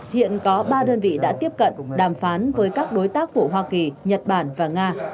hiện có ba đơn vị đã tiếp cận đàm phán với các đối tác của hoa kỳ nhật bản và nga